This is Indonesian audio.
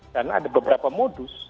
karena ada beberapa modus